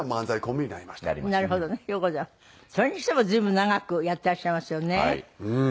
それにしても随分長くやっていらっしゃいますよね。